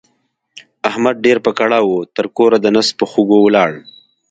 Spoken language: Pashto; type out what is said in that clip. احمد ډېر په کړاو وو؛ تر کوره د نس په خوږو ولاړ.